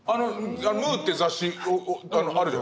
「ムー」っていう雑誌あるじゃないですか。